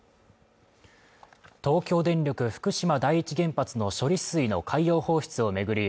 東京電力福島第一原発の処理水の海洋放出を巡り